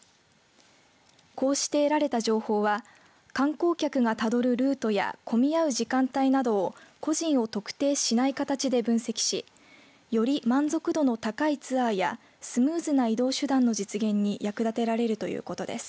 こうして得られた情報は観光客がたどるルートや混み合う時間帯などを個人を特定しない形で分析しより満足度の高いツアーやスムーズな移動手段の実現に役立てられるということです。